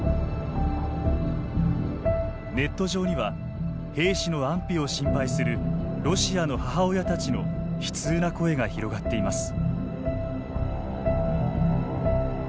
ネット上には兵士の安否を心配するロシアの母親たちの悲痛な声が広がっています。